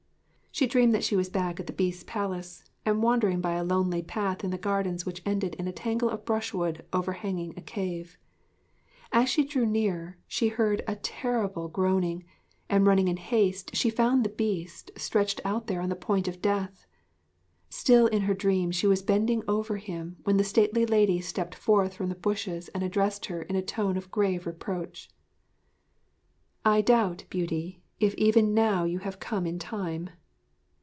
She dreamed that she was back at the Beast's palace, and wandering by a lonely path in the gardens which ended in a tangle of brushwood overhanging a cave. As she drew nearer she heard a terrible groaning, and running in haste she found the Beast stretched there on the point of death. Still in her dream she was bending over him when the stately lady stepped forth from the bushes and addressed her in a tone of grave reproach: 'I doubt, Beauty, if even now you have come in time.